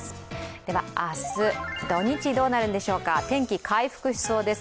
では明日、土日どうなるんでしょうか、天気回復しそうです。